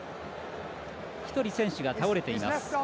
１人、選手が倒れています。